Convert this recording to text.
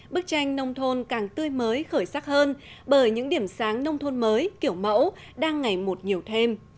bức tranh nông thôn càng tươi mới khởi sắc hơn bởi những điểm sáng nông thôn mới kiểu mẫu đang ngày một nhiều thêm